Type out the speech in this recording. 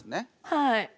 はい。